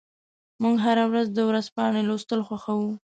موږ هره ورځ د ورځپاڼې لوستل خوښوو.